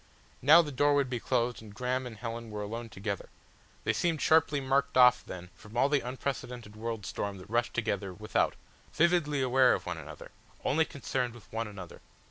Now the door would be closed and Graham and Helen were alone together; they seemed sharply marked off then from all the unprecedented world storm that rushed together without, vividly aware of one another, only concerned with one another.